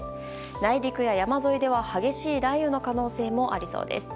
内陸や山沿いでは激しい雷雨の可能性もありそうです。